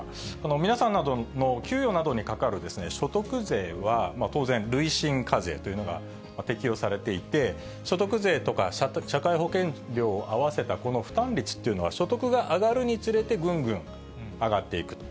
皆さんなどの給与などにかかる所得税は、当然、累進課税というのが適用されていて、所得税とか社会保険料を合わせた、この負担率っていうのは、所得が上がるにつれてぐんぐん上がっていくと。